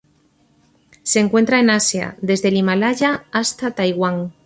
Se encuentra en Asia desde el Himalaya hasta Taiwán.